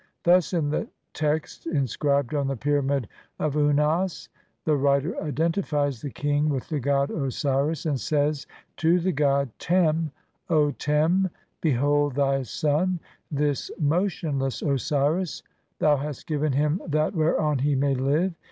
Thus in the text inscribed on the Pyramid of Unas ' the writer identi fies the king with the god Osiris and says to the god Tem, "O Tern, behold thy son, this motionless Osiris, "thou hast given him that whereon he may live.